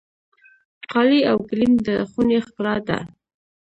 قالي او ګلیم د خونې ښکلا ده.